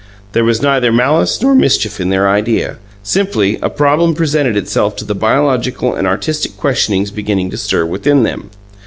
There was neither malice nor mischief in their idea; simply, a problem presented itself to the biological and artistic questionings beginning to stir within them.